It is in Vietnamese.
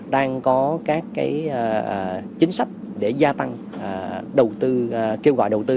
đang có các chính sách để gia tăng đầu tư kêu gọi đầu tư